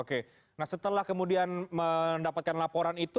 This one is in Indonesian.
oke nah setelah kemudian mendapatkan laporan itu